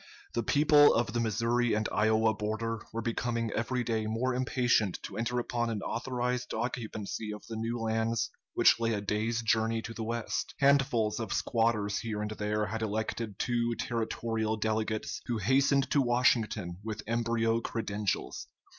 The people of the Missouri and Iowa border were becoming every day more impatient to enter upon an authorized occupancy of the new lands which lay a day's journey to the west. Handfuls of squatters here and there had elected two territorial delegates, who hastened to Washington with embryo credentials.